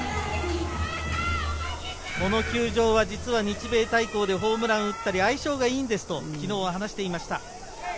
この球場は実は日米対抗でホームランを打ったり、相性がいいんですと昨日話していました。